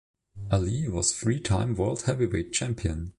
Ali was three time world heavyweight champion.